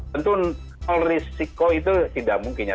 tentu risiko itu tidak mungkin ya